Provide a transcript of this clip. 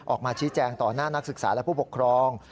ออกมาชี้แจงต่อหน้านักศึกษาและผู้ปกครอง